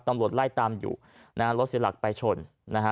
ตำรวจไล่ตามอยู่นะฮะรถเสียหลักไปชนนะฮะ